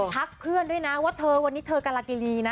เพื่อนด้วยนะว่าเธอวันนี้เธอการากิรีนะ